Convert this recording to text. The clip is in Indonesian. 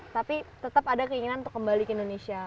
tapi tetap ada keinginan untuk kembali ke indonesia